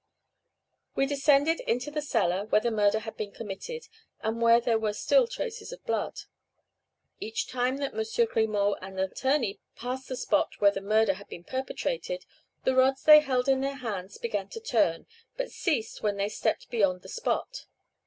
We descended into the cellar where the murder had been committed, and where there were still traces of blood. Each time that M. Grimaut and the attorney passed the spot where the murder had been perpetrated, the rods they held in their hands began to turn, but ceased when they stepped beyond the spot.